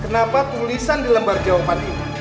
kenapa tulisan di lembar jawaban ini